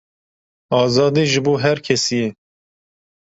Azadî ji bo her kesî ye.